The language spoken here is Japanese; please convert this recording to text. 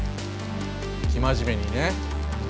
生真面目にね。